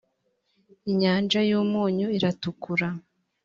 inyanja y umunyu iratukura